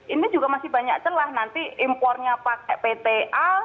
ini juga masih banyak celah nanti impornya pakai pta